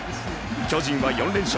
巨人は４連勝。